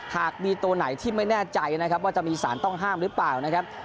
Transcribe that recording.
หากมีตัวไหนที่ไม่แน่ใจนะครับว่าจะมีสารต้องห้ามหรือเปล่านะครับ